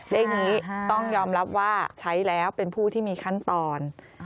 เลขนี้ต้องยอมรับว่าใช้แล้วเป็นผู้ที่มีขั้นตอน